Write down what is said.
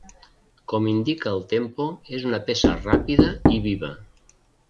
Com indica el tempo, és una peça ràpida i viva.